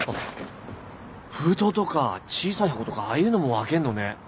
封筒とか小さい箱とかああいうのも分けんのね。